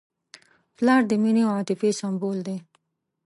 پلار د مینې او عاطفې سمبول دی.